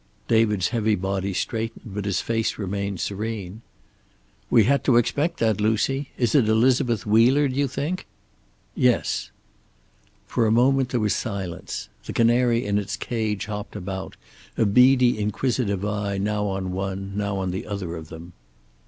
David's heavy body straightened, but his face remained serene. "We had to expect that, Lucy. Is it Elizabeth Wheeler, do you think?" "Yes." For a moment there was silence. The canary in its cage hopped about, a beady inquisitive eye now on one, now on the other of them.